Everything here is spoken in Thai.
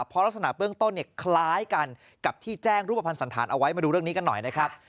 เพราะลักษณะเบื้องต้นเนี่ยคล้ายกันกับที่แจ้งรูปภัณฑ์สันธารเอาไว้มาดูเรื่องนี้กันหน่อยนะครับ